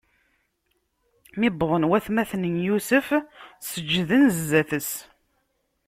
Mi wwḍen watmaten n Yusef, seǧǧden zdat-s.